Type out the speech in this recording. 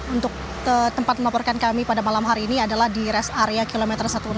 untuk tempat melaporkan kami pada malam hari ini adalah di rest area kilometer satu ratus enam puluh